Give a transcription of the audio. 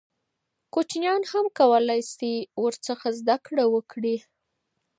کوچنیان هم کولای سي ورڅخه زده کړه وکړي.